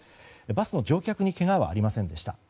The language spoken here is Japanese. バスの乗客にけがはありませんでした。